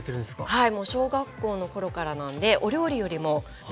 はい。